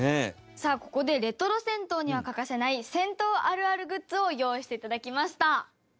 さあここでレトロ銭湯には欠かせない銭湯あるあるグッズを用意していただきました。